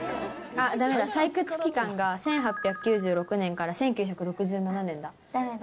あっ、だめだ、採掘期間が１８９６年から１９６７年だ。